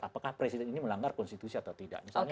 apakah presiden ini melanggar konstitusi atau tidak misalnya